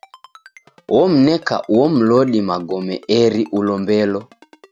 Omneka uo mlodi magome eri ulombelo.